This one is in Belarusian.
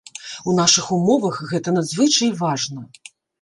У нашых умовах гэта надзвычай важна.